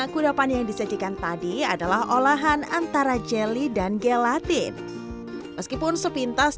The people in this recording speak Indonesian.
kudapan yang disajikan tadi adalah olahan antara jelly dan gelatin meskipun sepintas